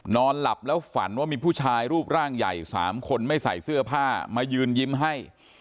นอนหลับแล้วฝันว่ามีผู้ชายรูปร่างใหญ่๓คนไม่ใส่เสื้อผ้ามายืนยิ้มให้